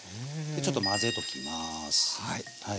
ちょっと混ぜときます。